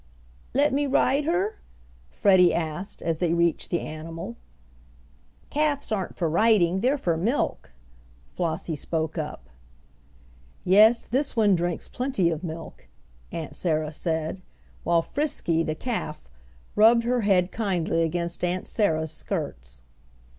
"Let me ride her?" Freddie asked, as they reached the animal. "Calfs aren't for riding, they're for milk," Flossie spoke up. "Yes, this one drinks plenty of milk," Aunt Sarah said, while Frisky, the calf, rubbed her head kindly against Aunt Sarah's skirts.